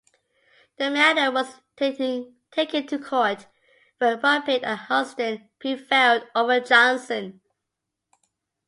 The matter was taken to court, where Ruppert and Huston prevailed over Johnson.